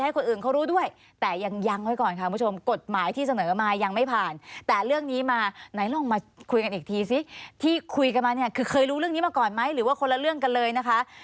คุยกันมาเนี่ยคือเคยรู้เรื่องนี้มาก่อนไหมหรือว่าคนละเรื่องกันเลยนะคะ